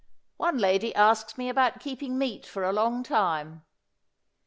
One lady asks me about keeping meat for a long time.